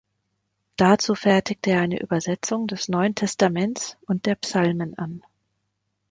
Dazu fertigte er eine Übersetzung des Neuen Testaments und der Psalmen an.